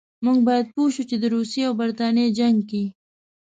موږ باید پوه شو چې د روسیې او برټانیې جنګ کې.